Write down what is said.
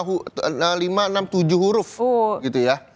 setengah jam bikin kompas tv lima enam tujuh huruf gitu ya